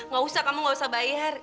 gak usah kamu nggak usah bayar